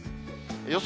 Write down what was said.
予想